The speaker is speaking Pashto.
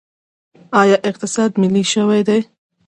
آیا اقتصاد ملي شوی دی؟